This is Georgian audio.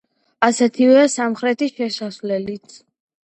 ასეთივეა სამხრეთი შესასვლელიც.